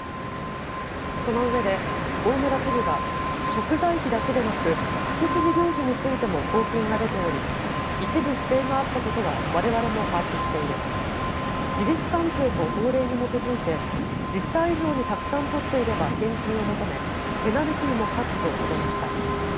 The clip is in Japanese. そのうえで大村知事は食材費だけでなく福祉事業費についても公金が出ており一部不正があったことはわれわれも把握している事実関係と法令に基づいて実態以上にたくさん取っていれば返金を求めペナルティーも科すと述べました。